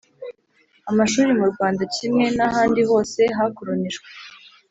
amashuri mu rwanda kimwe n'ahandi hose hakolonijwe,